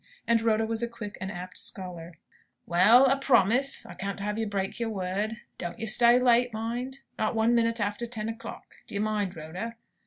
And Rhoda was a quick and apt scholar. "Well a promise I can't have you break your word. Don't you stay late, mind. Not one minute after ten o'clock; do you mind, Rhoda?"